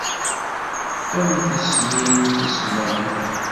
A mm tissmin tisemmamin!